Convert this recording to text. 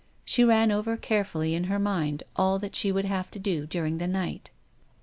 She ran over carefully in her mind all that she would have to do during the night.